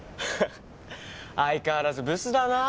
相変わらずブスだなあ